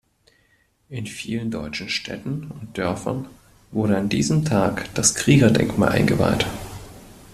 In vielen deutschen Städten und Dörfern wurde an diesem Tag das Kriegerdenkmal eingeweiht.